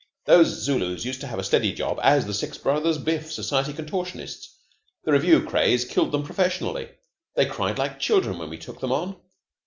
Those Zulus used to have a steady job as the Six Brothers Biff, Society Contortionists. The Revue craze killed them professionally. They cried like children when we took them on.